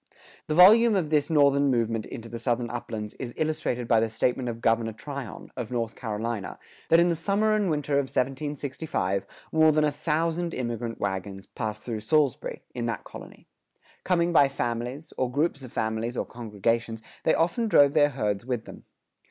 The volume of this Northern movement into the Southern uplands is illustrated by the statement of Governor Tryon, of North Carolina, that in the summer and winter of 1765 more than a thousand immigrant wagons passed through Salisbury, in that colony.[106:1] Coming by families, or groups of families or congregations, they often drove their herds with them.